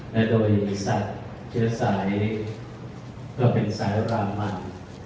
และโดยมีสัตว์เชื้อสายเพื่อเป็นสายรามัน